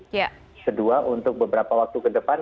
kedua untuk beberapa waktu ke depan